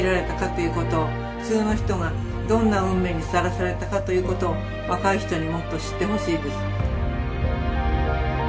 普通の人がどんな運命にさらされたかということを若い人にもっと知ってほしいです。